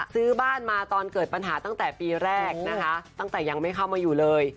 ซื้อบ้านมาตอนเกิดปัญหาตั้งแต่ปีแรกนะคะตั้งแต่ยังไม่เข้ามาอยู่เลย